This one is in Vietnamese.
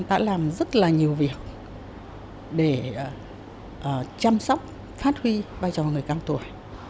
đã làm rất là nhiều việc để chăm sóc phát huy vai trò người cao tuổi